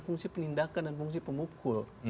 fungsi penindakan dan fungsi pemukul